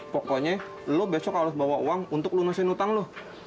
pokoknya lo besok harus bawa uang untuk lunasin utang lo